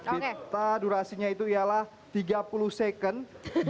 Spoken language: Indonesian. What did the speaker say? kita durasinya itu ialah tiga puluh second